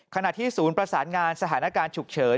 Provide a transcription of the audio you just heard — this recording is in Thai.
ขณะที่ศูนย์ประสานงานสถานการณ์ฉุกเฉิน